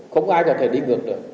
không ai có thể đi ngược được